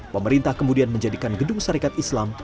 pemerintah kemudian menjadikan gedung sarekat islam